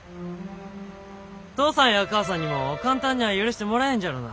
父さんや母さんにも簡単にゃあ許してもらえんじゃろうな。